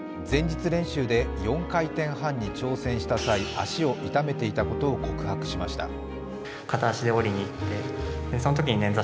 前日練習で４回転半に挑戦した際、足を痛めていたことを告白しました。